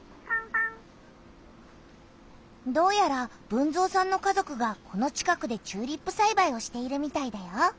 どうやら豊造さんの家族がこの近くでチューリップさいばいをしているみたいだよ。